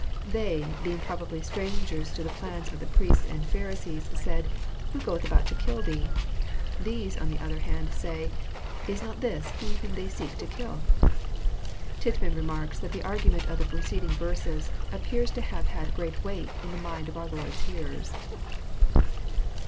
TheyjJ>eing probably strangers to the plans of the priests and Pharisees, said, "who goeth about to kill Thee?" These, on the other hand, say, " is not this He whom they seek to kill? " Tittman remarks that the argument of the preceding verses " appears to have had great weight in the minds of our Lord's hearers."